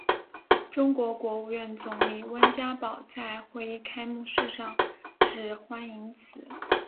中国国务院总理温家宝在会议开幕式上致欢迎辞。